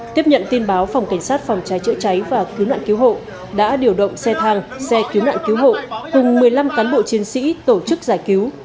tiếp nhận tin báo phòng cảnh sát phòng cháy chữa cháy và cứu nạn cứu hộ đã điều động xe thang xe cứu nạn cứu hộ cùng một mươi năm cán bộ chiến sĩ tổ chức giải cứu